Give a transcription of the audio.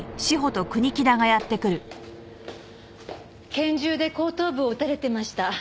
拳銃で後頭部を撃たれてました。